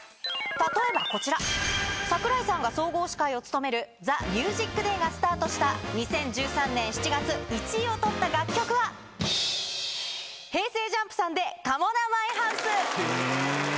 例えばこちら櫻井さんが総合司会を務める『ＴＨＥＭＵＳＩＣＤＡＹ』がスタートした２０１３年７月１位を取った楽曲はへぇ。